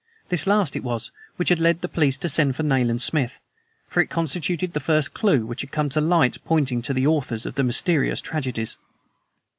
This last it was which had led the police to send for Nayland Smith, for it constituted the first clew which had come to light pointing to the authors of these mysterious tragedies.